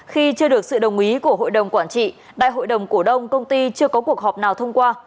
khi chưa được sự đồng ý của hội đồng quản trị đại hội đồng cổ đông công ty chưa có cuộc họp nào thông qua